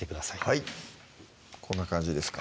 はいこんな感じですか？